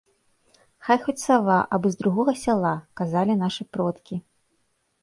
Хай хоць сава, абы з другога сяла, казалі нашы продкі.